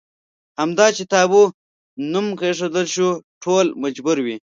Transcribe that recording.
همدا چې د تابو نوم کېښودل شو ټول مجبور وي.